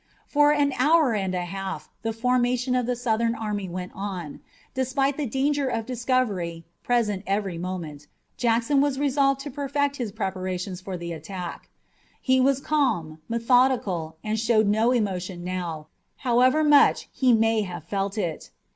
For an hour and a half the formation of the Southern army went on. Despite the danger of discovery, present every moment, Jackson was resolved to perfect his preparations for the attack. He was calm, methodical, and showed no emotion now, however much he may have felt it.